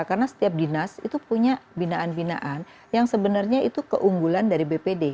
karena setiap dinas itu punya binaan binaan yang sebenarnya itu keunggulan dari bpd